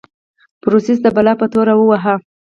بوریس د بلا په توره وواهه.